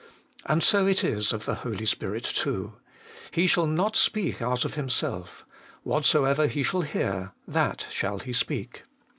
And so it is of the Holy Spirit too :' He shall not speak out of Himself: whatsoever He shall hear, that shall He speak.'